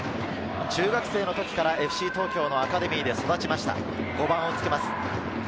中学生の時からＦＣ東京のアカデミーで育ちました。